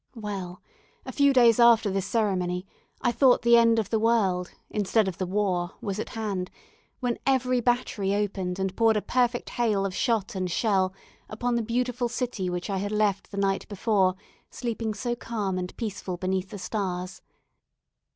Well, a few days after this ceremony, I thought the end of the world, instead of the war, was at hand, when every battery opened and poured a perfect hail of shot and shell upon the beautiful city which I had left the night before sleeping so calm and peaceful beneath the stars.